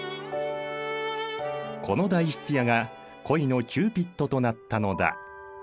この代筆屋が恋のキューピットとなったのだ。